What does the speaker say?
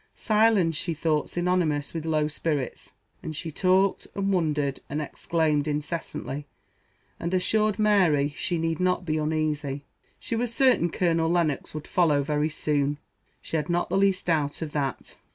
Silence she thought synonymous with low spirits; and she talked, and wondered, and exclaimed incessantly, and assured Mary she need not be uneasy, she was certain Colonel Lennox would follow very soon; she had not the least doubt of that.